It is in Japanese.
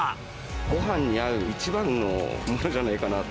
ごはんに合う一番のものじゃないかなって。